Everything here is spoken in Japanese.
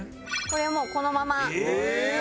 これはもうこのまま。